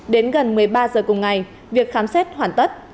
đến gần một mươi ba giờ cùng ngày việc khám xét hoàn tất